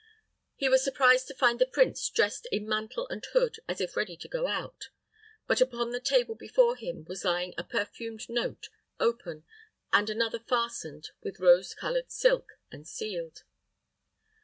He was surprised to find the prince dressed in mantle and hood, as if ready to go out; but upon the table before him was lying a perfumed note, open, and another fastened, with rose colored silk, and sealed.